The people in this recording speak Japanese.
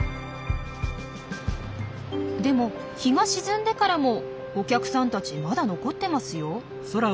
でも日が沈んでからもお客さんたちまだ残ってますよ？